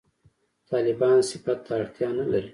«طالبان» صفت ته اړتیا نه لري.